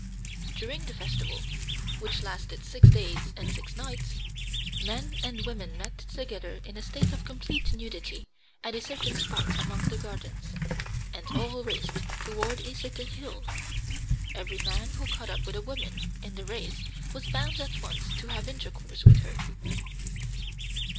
During the festival, which lasted six days and six nights, men and women met together in a state of complete nudity at a certain spot among the gardens, and all raced toward a certain hill. Every man who caught up with a woman in the race was bound at once to have intercourse with her.